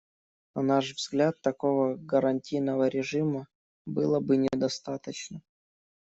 На наш взгляд, такого гарантийного режима было бы недостаточно.